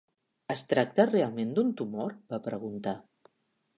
"Es tracta realment d'un tumor?", va preguntar.